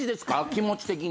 気持ち的に。